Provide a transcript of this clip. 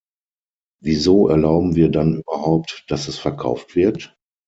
Wieso erlauben wir dann überhaupt, dass es verkauft wird?